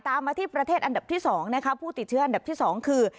มาที่ประเทศอันดับที่๒นะคะผู้ติดเชื้ออันดับที่๒คือ